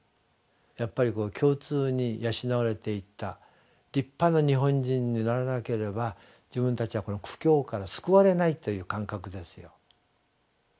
やっぱり共通に養われていった立派な日本人にならなければ自分たちはこの苦境から救われないという感覚ですよ。